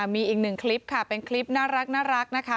มีอีกหนึ่งคลิปค่ะเป็นคลิปน่ารักนะคะ